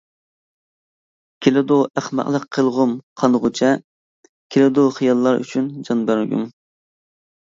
كېلىدۇ ئەخمەقلىق قىلغۇم قانغىچە، كېلىدۇ خىياللار ئۈچۈن جان بەرگۈم.